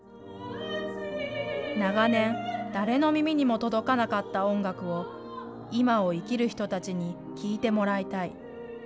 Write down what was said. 長年、誰の耳にも届かなかった音楽を今を生きる人たちに聴いてもらいたい。